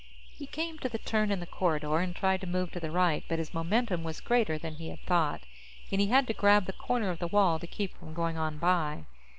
He came to the turn in the corridor, and tried to move to the right, but his momentum was greater than he had thought, and he had to grab the corner of the wall to keep from going on by.